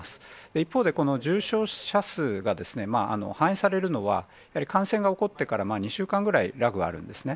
一方で、この重症者数が反映されるのは、やはり感染が起こってから２週間ぐらい、ラグがあるんですね。